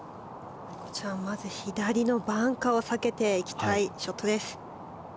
まず左のバンカーを避けていきたいショットです。